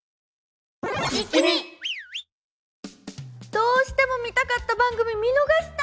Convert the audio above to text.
どうしても見たかった番組見逃した！